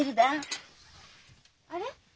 あれ？